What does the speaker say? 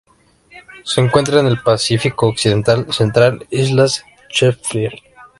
Se encuentra en el Pacífico occidental central: Islas Chesterfield.